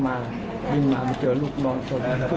มันก็เบินมาดูเบิ่นดูเห็นจะห้ามปลากลงอยู่